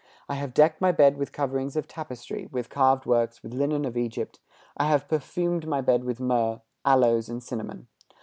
I have decked my bed with coverings of tapestry, With carved works, with linen of Egypt. I have perfumed my bed with myrrh, Aloes, and cinnamon.